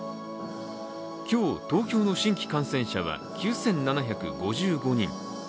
今日東京の新規感染者は９７５５人。